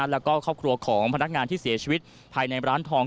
แล้วก็ครอบครัวของพนักงานที่เสียชีวิตภายในร้านทอง